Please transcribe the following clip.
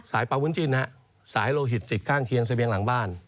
สายปะวุ้นจินสายโลหิตศิษย์ข้างเคียงเสมียงหลังบ้าน